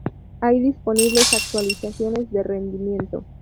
Hay disponibles actualizaciones de rendimiento.